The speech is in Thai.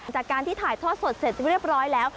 จากการที่ถ่ายทอดสดเสร็จเรียบร้อยแล้ว